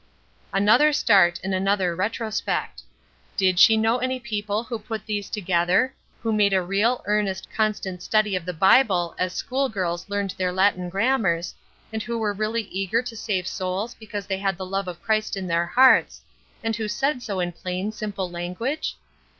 Another start and another retrospect. Did she know any people who put these together; who made a real, earnest, constant study of the Bible as school girls studied their Latin grammars, and who were really eager to save souls because they had the love of Christ in their hearts, and who said so in plain simple language?